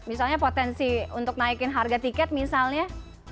misalnya potensi untuk naikin harga tiket misalnya